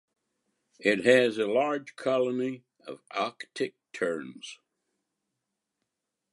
It has a large colony of Arctic terns.